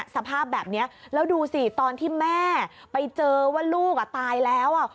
สภาพแบบนี้แล้วดูสิตอนที่แม่ไปเจอว่าลูกตายแล้ว